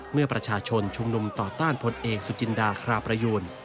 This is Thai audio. เมื่อประชาชนชุมนุมต่อต้านพลเอกสุจินดาคราประยูน